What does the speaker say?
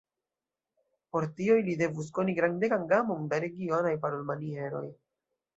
Por tio, ili devus koni grandegan gamon da regionaj parolmanieroj.